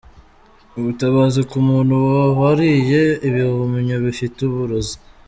Ubutabazi ku muntu wariye ibihumyo bifite uburozi.